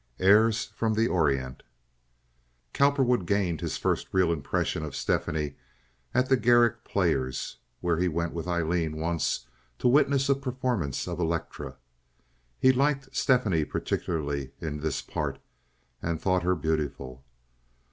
Airs from the Orient Cowperwood gained his first real impression of Stephanie at the Garrick Players, where he went with Aileen once to witness a performance of "Elektra." He liked Stephanie particularly in this part, and thought her beautiful.